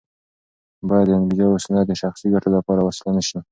باید د انبیاوو سنت د شخصي ګټو لپاره وسیله نه شي.